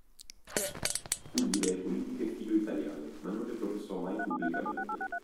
Fu di idee politiche filo-italiane, ma non le professò mai pubblicamente.